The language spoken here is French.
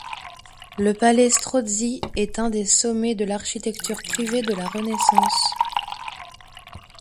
Le Palais Strozzi est un des sommets de l’architecture privée de la Renaissance.